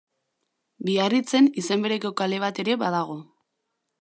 Biarritzen izen bereko kale bat ere badago.